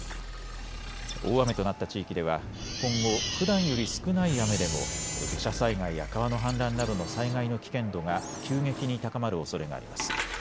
大雨となった地域では今後、ふだんより少ない雨でも土砂災害や川の氾濫などの災害の危険度が急激に高まるおそれがあります。